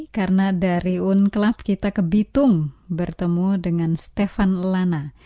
karena dari unkelab kita ke bitung bertemu dengan stefan lana